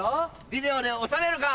ビデオで収めるか。